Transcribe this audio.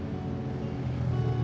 sangat diri yang republic